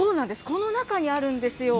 この中にあるんですよ。